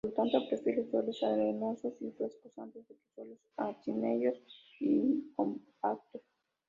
Por lo tanto, prefiere suelos arenosos y frescos antes que suelos arcillosos y compactos.